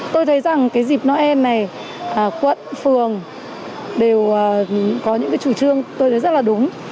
tôi thấy rằng cái dịp noel này quận phường đều có những chủ trương tôi thấy rất là đúng